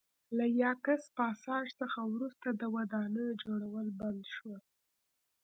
له یاکس پاساج څخه وروسته د ودانیو جوړول بند شول